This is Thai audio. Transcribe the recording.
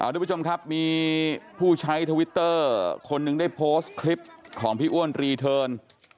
ทุกผู้ชมครับมีผู้ใช้ทวิตเตอร์คนหนึ่งได้โพสต์คลิปของพี่อ้วนรีเทิร์น